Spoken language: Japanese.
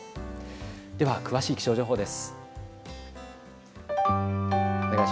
では詳しい気象情報です。